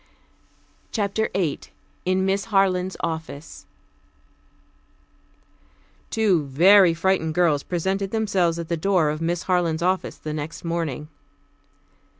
CHAPTER VIII IN MISS HARLAND'S OFFICE Two very frightened girls presented themselves at the door of Miss Harland's office the next morning.